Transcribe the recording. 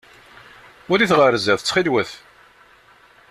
Walit ɣer zdat ttxil-wet!